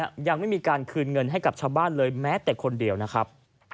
ยังไม่มีการคืนเงินให้กับชาวบ้านเลยแม้แต่คนเดียวนะครับ